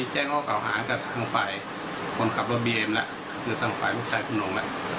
แจ้งข้อเก่าหากับทางฝ่ายคนขับรถบีเอ็มแล้วคือทางฝ่ายลูกชายคุณหงแล้ว